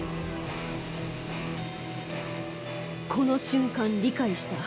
この瞬間理解した